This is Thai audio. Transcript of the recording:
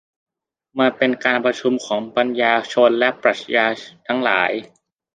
มันเป็นการประชุมของปัญญาชนและนักปรัชญาทั้งหลาย